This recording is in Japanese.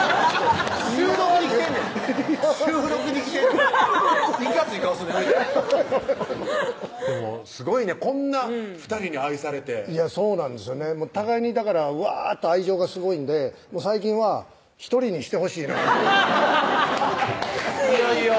収録に来てんねん収録に来てんねんいかつい顔するのやめてフフフフフッすごいねこんな２人に愛されてそうなんですよね互いにだからウワーッと愛情がすごいんで最近は１人にしてほしいないよいよ？